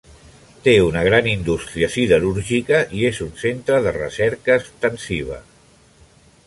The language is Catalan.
Té una gran indústria siderúrgica i és un centre de recerca extensiva.